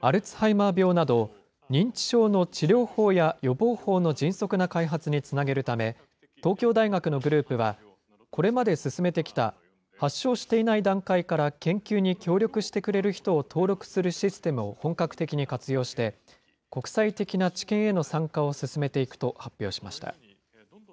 アルツハイマー病など、認知症の治療法や予防法の迅速な開発につなげるため、東京大学のグループは、これまで進めてきた発症していない段階から研究に協力してくれる人を登録するシステムを本格的に活用して、国際的な治験への参加を進めていくと発表しました。